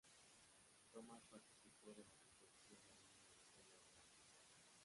Thomas participó de la composición de algunos de los temas del álbum.